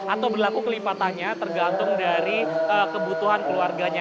atau berlaku kelipatannya tergantung dari kebutuhan keluarganya